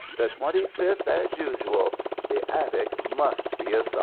The twenty fifth, as usual. The attic must be a sight."